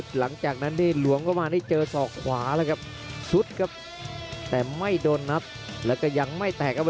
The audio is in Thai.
หลังจากนั้นหลวงเข้ามาได้เจอสอบขวาสุดครับแต่ไม่โดนนับแล้วก็ยังไม่แตกครับ